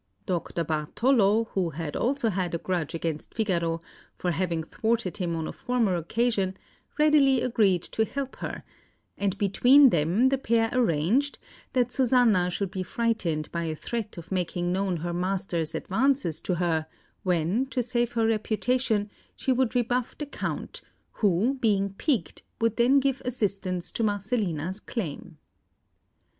Dr Bartolo, who had also had a grudge against Figaro for having thwarted him on a former occasion, readily agreed to help her; and between them the pair arranged that Susanna should be frightened by a threat of making known her master's advances to her, when, to save her reputation, she would rebuff the Count, who, being piqued, would then give assistance to Marcellina's claim.